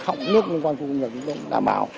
học nước liên quan khu công nghiệp đảm bảo